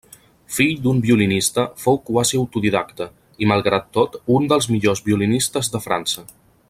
Fill d'un violinista, fou quasi autodidacta i, malgrat tot, un dels millors violinistes de França.